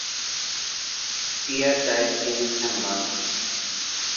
Peyer died in Hamburg.